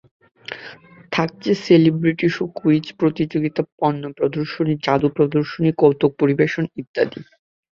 থাকছে celebrity show, quiz প্রতিযোগিতা, পণ্য প্রদর্শনী, জাদু প্রদর্শনী, কৌতুক পরিবেশন ইত্যাদি।